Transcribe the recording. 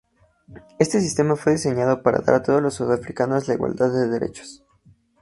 Este sistema fue diseñado para dar a todos los sudafricanos la igualdad de derechos.